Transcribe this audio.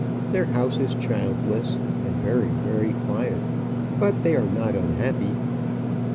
Their house is childless, and very, very quiet; but they are not unhappy.